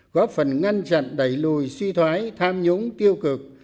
góp phần ngăn chặn đẩy lùi suy thoái tham nhũng tiêu cực